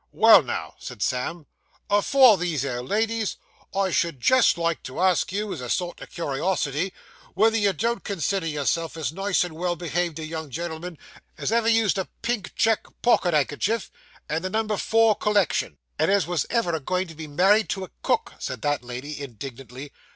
'Well, now,' said Sam, 'afore these here ladies, I should jest like to ask you, as a sort of curiosity, whether you don't consider yourself as nice and well behaved a young gen'l'm'n, as ever used a pink check pocket handkerchief, and the number four collection?' 'And as was ever a going to be married to a cook,' said that lady indignantly.